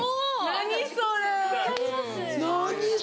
何それ！